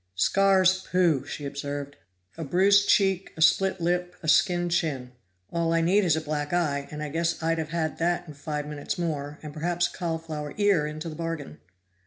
"Scars pooh!" she observed. "A bruised cheek, a split lip, a skinned chin. All I need is a black eye, and I guess I'd have had that in five minutes more, and perhaps a cauliflower ear into the bargain."